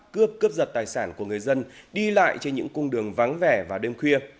cướp cướp giật tài sản của người dân đi lại trên những cung đường vắng vẻ vào đêm khuya